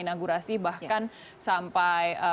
inaugurasi bahkan sampai